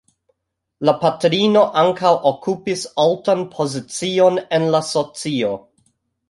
Lia patrino ankaŭ okupis altan pozicion en la socio.